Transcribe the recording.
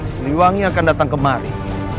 siliwangi akan datang kemari